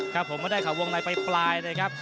ครับผมไม่ได้ข่าววงในไปปลายเลยครับ